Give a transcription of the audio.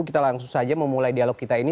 kita langsung saja memulai dialog kita ini